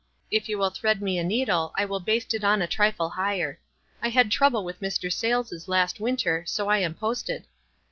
If you will thread me a needle T will baste it on a trifle higher. I had rouble with Mr. Sayles' last winter, so I am posted."